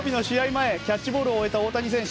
前キャッチボールを終えた大谷選手。